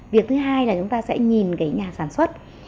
việc thứ hai là chúng ta sẽ nhìn cái nhà sản xuất